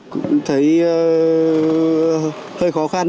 cũng thấy hơi khó khăn